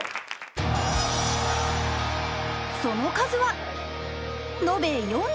その数は延べ４５人！